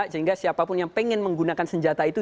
sehingga siapapun yang pengen menggunakan senjata itu